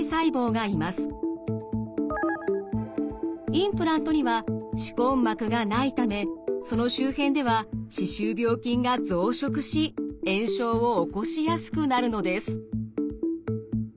インプラントには歯根膜がないためその周辺では歯周病菌が増殖し炎症を起こしやすくなるのです。